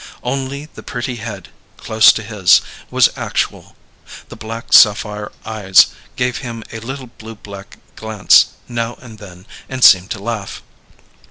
Only the pretty head, close to his, was actual; the black sapphire eyes gave him a little blue black glance, now and then, and seemed to laugh.